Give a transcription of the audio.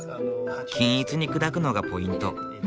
均一に砕くのがポイント。